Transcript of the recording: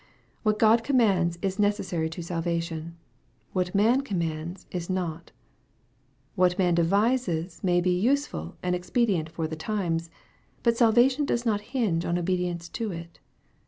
What God commands is necessary to salvation. What man commands is not. What man devises may be useful and expedient for the times ; but salvation does not hinge on obedience to it.